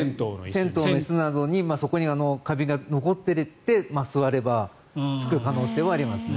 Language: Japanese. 銭湯の椅子などにそこにカビが残っていて座ればつく可能性はありますね。